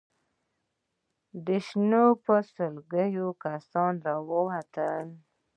له شګو په سلګونو کسان را ووتل.